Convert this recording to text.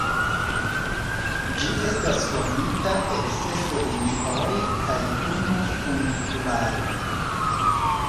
Ĝi estas formita el ses linioj kaj unu funikularo.